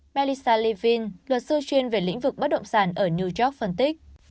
melissa levin luật sư chuyên về lĩnh vực bất động sản ở new york phân tích